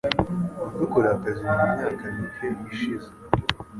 Wadukoreye akazi mumyaka mike ishize.